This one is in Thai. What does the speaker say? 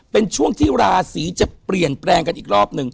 เป็นช่วงที่ราศีจะเปลี่ยนแปลงกันอีกรอบหนึ่ง